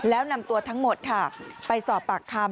แล้วนำตัวทั้งหมดค่ะไปสอบปากคำ